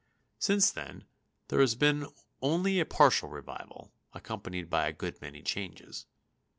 Since then there has been only a partial revival, accompanied by a good many changes.